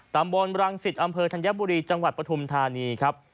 ตำบลรังสิตอำเภอธัญบุรีจังหวัดปฐุมธานีครับ